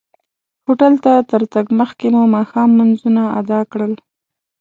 هوټل ته تر تګ مخکې مو ماښام لمونځونه ادا کړل.